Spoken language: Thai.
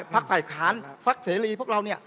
ภักษ์ฝ่ายขาญภักษ์เสรีพวกเราเนี่ย